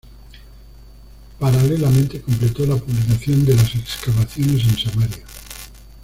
Paralelamente completó la publicación de las excavaciones en Samaria.